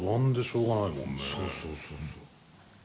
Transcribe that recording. そうそうそうそう。